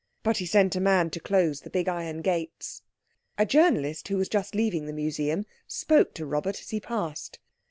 But he sent a man to close the big iron gates. A journalist, who was just leaving the museum, spoke to Robert as he passed.